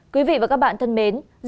quý vị và các bạn thân mến